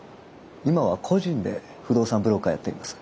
今は個人で不動産ブローカーやっています。